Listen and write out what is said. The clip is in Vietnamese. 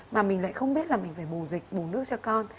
mà mình lại không biết là mình phải bù dịch bù nước cho con